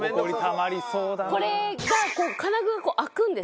これが金具がこう開くんですよ。